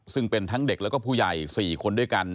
ซึ่งเป็นทั้งเด็กแล้วก็ผู้ใหญ่๔คนด้วยกัน